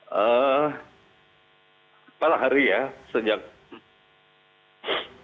saya pada hari ya sejak dengar berita itu